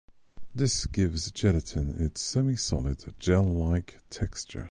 This gives gelatin its semisolid, gel-like texture.